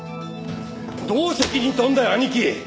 どう責任取るんだよ兄貴！